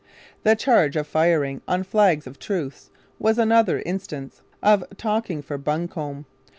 The charge of firing on flags of truce was another instance of 'talking for Buncombe.'